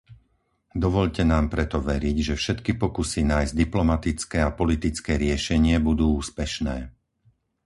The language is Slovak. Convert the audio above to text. Dovoľte nám preto veriť, že všetky pokusy nájsť diplomatické a politické riešenie budú úspešné.